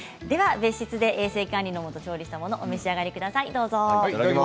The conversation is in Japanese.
別室で衛生管理のもと調理したものをお召し上がりください。